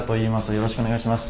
よろしくお願いします。